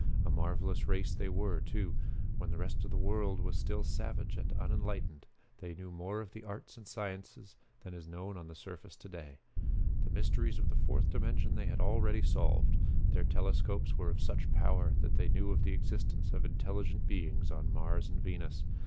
A marvelous race they were, too. When the rest of the world was still savage and unenlightened, they knew more of the arts and sciences than is known on the surface to day. The mysteries of the Fourth Dimension they had already solved. Their telescopes were of such power that they knew of the existence of intelligent beings on Mars and Venus.